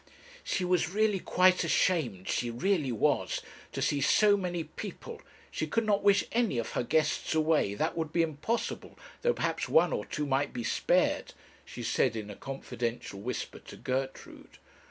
'She was really quite ashamed she really was to see so many people; she could not wish any of her guests away, that would be impossible though perhaps one or two might be spared,' she said in a confidential whisper to Gertrude.